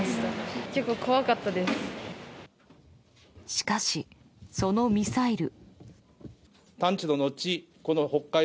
しかし、そのミサイル。